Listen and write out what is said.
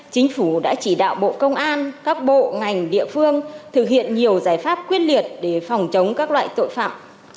chính phủ đã chỉ đạo bộ công an các bộ ngành địa phương thực hiện nhiều giải pháp quyết liệt để phòng chống các loại tội phạm